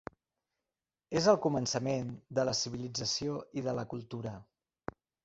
És el començament de la civilització i de la cultura.